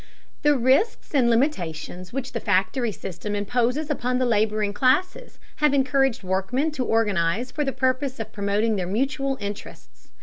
The risks and limitations which the factory system imposes upon the laboring classes have encouraged workmen to organize for the purpose of promoting their mutual interests.